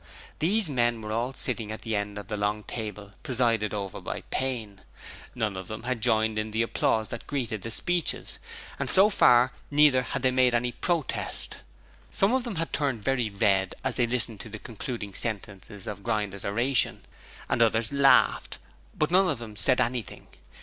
These men were all sitting at the end of the long table presided over by Payne. None of them had joined in the applause that greeted the speeches, and so far neither had they made any protest. Some of them turned very red as they listened to the concluding sentences of Grinder's oration, and others laughed, but none of them said anything.